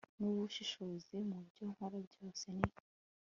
n'ubushishozi, mu byo nkora byose, ni